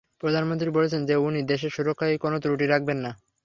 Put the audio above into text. প্রধানমন্ত্রী বলেছেন যে উনি, দেশের সুরক্ষায় কোন ত্রুটি রাখবেন না।